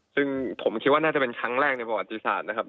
ซึ่งผมคิดว่าน่าจะเป็นครั้งแรกในประวัติศาสตร์นะครับ